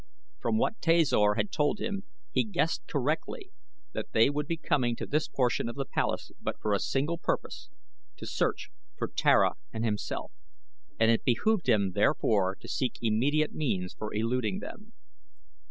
From what Tasor had told him he guessed correctly that they would be coming to this portion of the palace but for a single purpose to search for Tara and himself and it behooved him therefore to seek immediate means for eluding them.